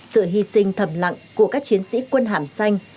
sự hy sinh thầm lặng của các chiến sĩ quân hàm xanh